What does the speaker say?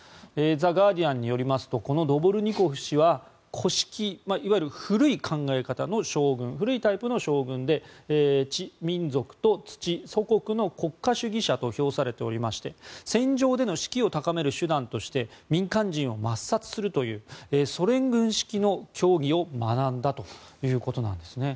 ザ・ガーディアンによりますとこのドボルニコフ氏は古式、いわゆる古い考え方の将軍古いタイプの将軍で血、民族と土、祖国の国家主義者と評されていまして戦場での士気を高める手段として民間人を抹殺するというソ連軍式の教義を学んだということなんですね。